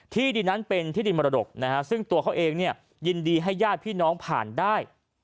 ที่ดินนั้นเป็นที่ดินมรดกนะฮะซึ่งตัวเขาเองยินดีให้ญาติพี่น้องผ่านได้